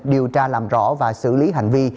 điều tra làm rõ và xử lý hành vi